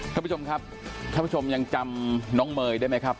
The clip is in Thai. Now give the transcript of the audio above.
ท่านผู้ชมครับท่านผู้ชมยังจำน้องเมย์ได้ไหมครับ